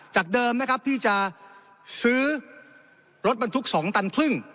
เดิมนะครับที่จะซื้อรถบรรทุก๒ตันครึ่ง